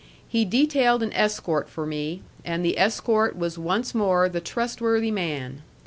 He detailed an escort for me; and the escort was once more the trustworthy man!